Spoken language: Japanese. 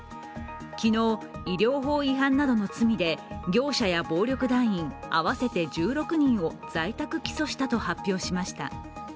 昨日、医療法違反などの罪で業者や暴力団員合わせて１６人を在宅起訴したと発表しました。